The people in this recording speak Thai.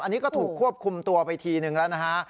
อันนี้ก็ถูกควบคุมตัวไปทีนึงแล้วนะฮะ